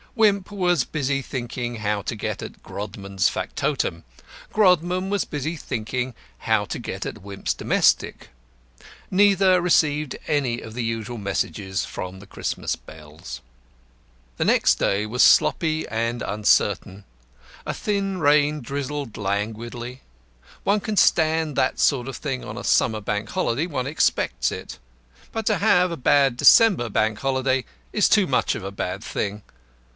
Wimp was busy thinking how to get at Grodman's factotum. Grodman was busy thinking how to get at Wimp's domestic. Neither received any of the usual messages from the Christmas Bells. The next day was sloppy and uncertain. A thin rain drizzled languidly. One can stand that sort of thing on a summer Bank Holiday; one expects it. But to have a bad December Bank Holiday is too much of a bad thing.